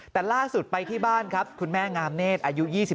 แต่ล่าสุดไปที่บ้านครับคุณแม่งามเนธอายุ๒๓